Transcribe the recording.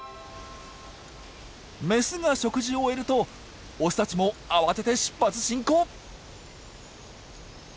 メスが食事を終えるとオスたちも慌てて出発進行。